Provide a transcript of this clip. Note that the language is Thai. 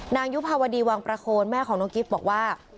ยุภาวดีวังประโคนแม่ของน้องกิฟต์บอกว่า